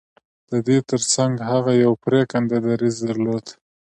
د دې ترڅنګ هغه يو پرېکنده دريځ درلود.